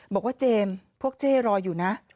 บอกว่าเจมส์พวกเจ๊รออยู่นะ